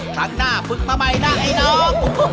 ครั้งหน้าฝึกมาใหม่นะไอ้น้อง